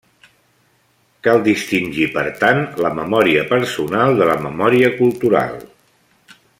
Cal distingir, por tant, la memòria personal de la memòria cultural.